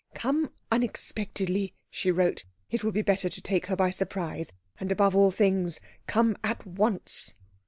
"Come unexpectedly," she wrote; "it will be better to take her by surprise; and above all things come at once."